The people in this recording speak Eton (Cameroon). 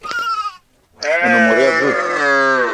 One mot ya veu?